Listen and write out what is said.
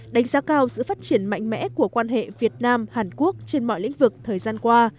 đánh giá cao sự phát triển mạnh mẽ của quan hệ việt nam hàn quốc trên mọi lĩnh vực thời gian qua